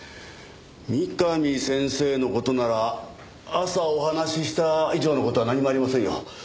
三上先生の事なら朝お話しした以上の事は何もありませんよ。